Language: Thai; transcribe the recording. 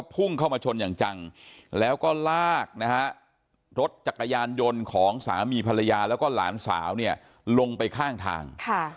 พุ่งเข้ามาชนอย่างจังแล้วก็ลากนะฮะรถจักรยานยนต์ของสามีภรรยาแล้วก็หลานสาวเนี่ยลงไปข้างทาง